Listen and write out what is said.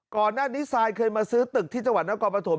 ก่อนหน้านี้ซายเคยมาซื้อตึกที่จังหวัดนครปฐม